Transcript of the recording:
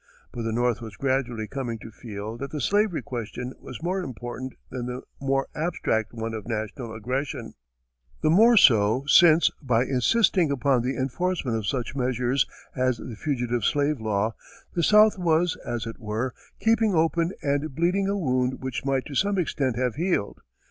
But the North was gradually coming to feel that the slavery question was more important than the more abstract one of national aggression; the more so since, by insisting upon the enforcement of such measures as the Fugitive Slave Law, the South was, as it were, keeping open and bleeding a wound which might to some extent have healed.